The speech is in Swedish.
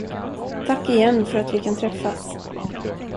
Tack igen för att vi kan träffas.